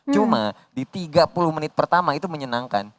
cuma di tiga puluh menit pertama itu menyenangkan